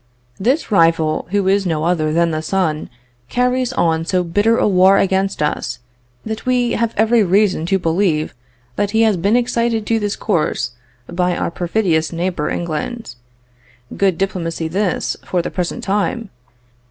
This rival, who is no other than the sun, carries on so bitter a war against us, that we have every reason to believe that he has been excited to this course by our perfidious neighbor England. (Good diplomacy this, for the present time!)